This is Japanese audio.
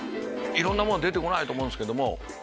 いろんなもの出てこないと思うんですけど。